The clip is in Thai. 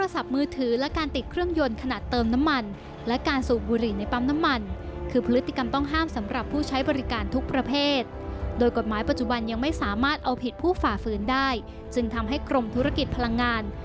ซึ่งทำให้กรมธุรกิจพลังงาน